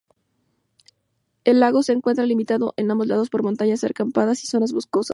El lago se encuentra limitado en ambos lados por montañas escarpadas y zonas boscosas.